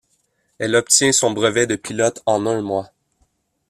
Elle obtient son brevet de pilote en un mois.